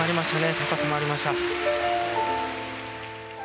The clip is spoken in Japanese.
高さもありました。